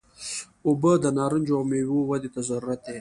اوبه د نارنجو او میوو ودې ته ضروري دي.